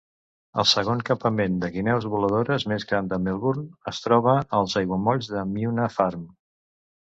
El segon campament de guineus voladores més gran de Melbourne es troba als aiguamolls de Myuna Farm.